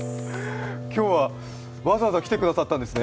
今日はわざわざ来ていただいたんですね。